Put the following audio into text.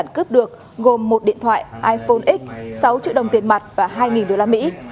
cướp được gồm một điện thoại iphone x sáu triệu đồng tiền mặt và hai đô la mỹ